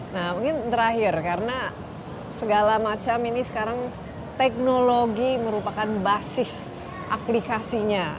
nah mungkin terakhir karena segala macam ini sekarang teknologi merupakan basis aplikasinya